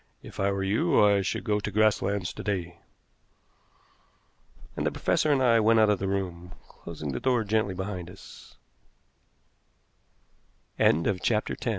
If I were you I should go to Grasslands to day." And the professor and I went out of the room, closing the door gently behin